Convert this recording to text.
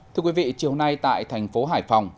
thưa quý vị chiều nay tại thành phố hải phòng